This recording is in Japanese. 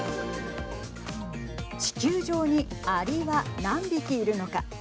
地球上に、ありは何匹いるのか。